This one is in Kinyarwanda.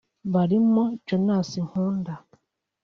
barimo Jonas Nkunda